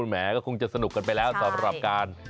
แหมก็คงจะสนุกกันไปแล้วสำหรับการ